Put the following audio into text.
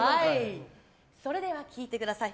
それでは聴いてください。